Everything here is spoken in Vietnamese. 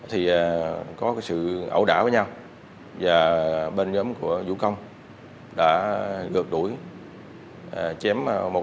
t itunes where bà ý vào đồng chức mét